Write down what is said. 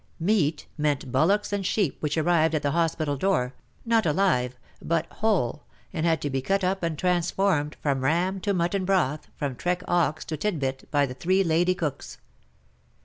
*' Meat " meant bullocks and sheep which arrived at the hospital door — not alive — but whole, and had to be cut up and transformed, 148 WAR AND WOMEN 149 from ram to mutton broth, from trek ox to tit bit, by the three lady cooks.